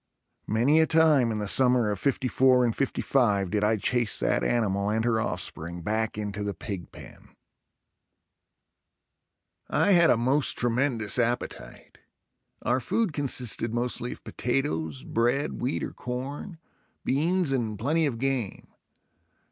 Many a time in the summer of '54 and '55 did I chase that animal and her offspring back into the pig pen. I had a most tremendous appetite. Our food consisted mostly of potatoes, bread, wheat or corn, beans and plenty of game.